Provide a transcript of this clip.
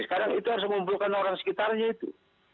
sekarang itu harus mengumpulkan orang sekitarnya itu